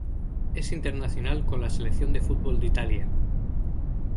Es internacional con la selección de fútbol de Italia.